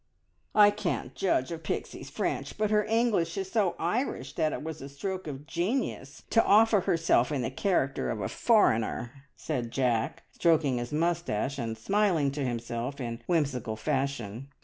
"I can't judge of Pixie's French, but her English is so Irish that it was a stroke of genius to offer herself in the character of a foreigner!" said Jack, stroking his moustache, and smiling to himself in whimsical fashion.